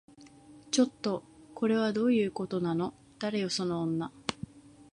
ちょっと、これはどういうことなの？誰よその女